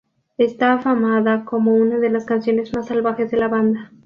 Esta afamada como una de las canciones más salvajes de la banda.